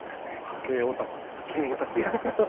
波形オタクやわ。